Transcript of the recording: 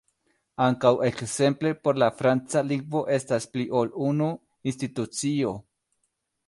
Ankaŭ ekzemple por la franca lingvo estas pli ol unu institucio.